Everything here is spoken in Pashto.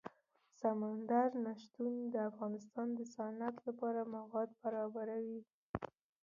سمندر نه شتون د افغانستان د صنعت لپاره مواد برابروي.